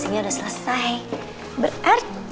pilih dari rumahcup di med cut